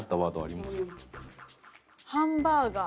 「ハンバーガー」。